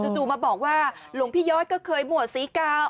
จู่มาบอกว่าหลวงพี่ย้อยก็เคยหมวดศรีกา